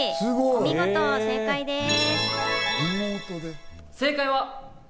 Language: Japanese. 見事正解です。